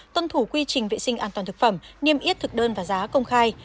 tuân thủ quy trình vệ sinh an toàn thực phẩm niêm yết thực đơn và giá công khai